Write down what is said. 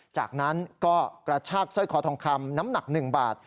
จากนั้นก็กระชากสร้อยคอทองคำน้ำหนัก๑บาท